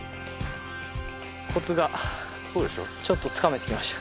コツがちょっとつかめてきました。